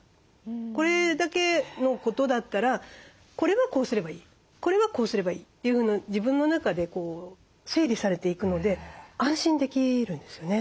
これだけのことだったらこれはこうすればいいこれはこうすればいいって自分の中で整理されていくので安心できるんですよね。